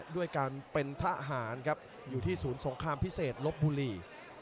ด้วยการเป็นทหารครับอยู่ที่ศูนย์สงครามพิเศษลบบุรี